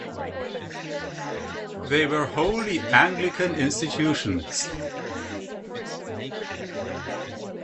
They were wholly Anglican institutions.